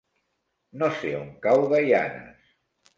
No sé on cau Gaianes.